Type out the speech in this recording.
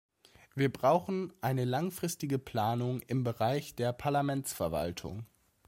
Wir brauchen eine langfristige Planung im Bereich der Parlamentsverwaltung.